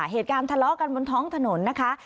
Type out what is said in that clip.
เหตุการณ์ทะเลาะกันบนท้องถนนนะคะ